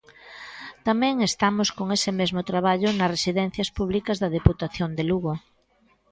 Tamén estamos con ese mesmo traballo nas residencias públicas da Deputación de Lugo.